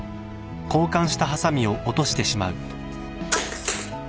あっ。